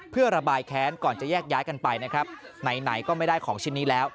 เพื่อระบายแค้นก่อนจะแยกย้ายกันไปนะครับไหนก็ไม่ได้ของชิ้นนี้แล้ว